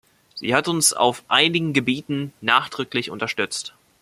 Sie hat uns auf einigen Gebieten nachdrücklich unterstützt.